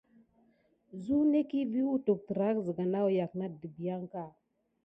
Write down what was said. Zunekiy vi wutu terake léklole nata dimpiaka.